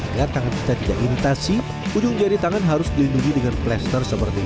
agar tangan kita tidak imitasi ujung jari tangan harus dilindungi dengan plaster seperti ini